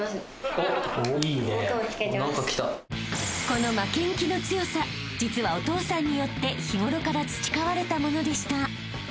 ［この負けん気の強さ実はお父さんによって日頃から培われたものでした］